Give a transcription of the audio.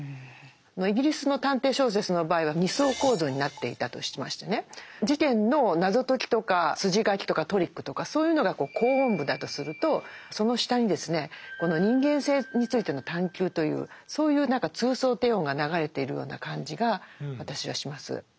イギリスの探偵小説の場合は２層構造になっていたとしましてね事件の謎解きとか筋書きとかトリックとかそういうのが高音部だとするとその下にですねこの人間性についての探究というそういう何か通奏低音が流れているような感じが私はします。